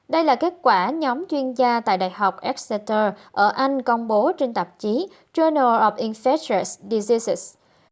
đây là kết quả nhóm chuyên gia tại đại học exeter ở anh công bố trên tạp chí journal of infectious diseases